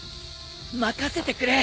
任せてくれ！